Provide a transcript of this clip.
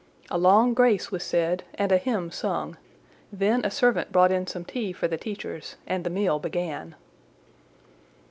A long grace was said and a hymn sung; then a servant brought in some tea for the teachers, and the meal began.